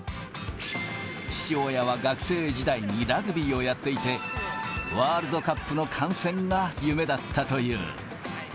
父親は学生時代にラグビーをやっていて、ワールドカップの観戦が夢だったという。